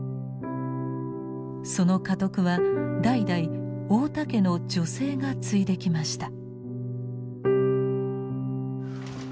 その家督は代々太田家の女性が継いできました。